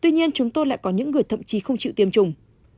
tuy nhiên chúng tôi lại có những người thậm chí không chịu tiêm chủng